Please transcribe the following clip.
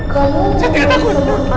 kamu mau main sama anak aku